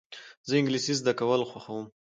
زه انګلېسي زده کول خوښوم.